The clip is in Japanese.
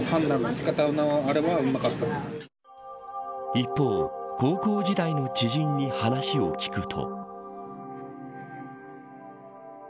一方高校時代の知人に話を聞くと。